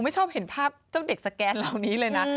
ไม่ชอบเห็นภาพเจ้าเด็กสแกนเหล่านี้เลยนะ